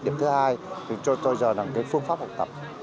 điểm thứ hai thì tôi cho giờ là cái phương pháp học tập